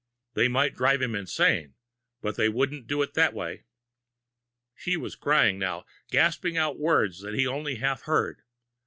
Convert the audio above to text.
They might drive him insane, but they wouldn't do it that way. She was crying now, gasping out words that he only half heard.